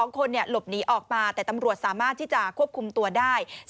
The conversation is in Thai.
๒คนหลบหนีออกมาแต่ตำรวจสามารถที่จะควบคุมตัวได้